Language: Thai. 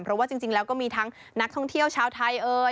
เพราะว่าจริงแล้วก็มีทั้งนักท่องเที่ยวชาวไทยเอ่ย